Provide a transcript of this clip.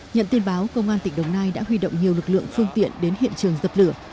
nhận tin báo công an tỉnh đồng nai đã huy động nhiều lực lượng phương tiện đến hiện trường dập lửa